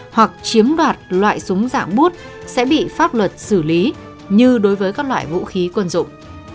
hoặc chiếm đoạt loại súng dạng bút sẽ bị pháp luật xử lý như đối với các loại vũ khí quân dụng